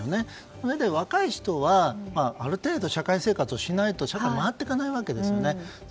そのうえで、若い人はある程度、社会生活をしないと社会が回っていかないわけですよね。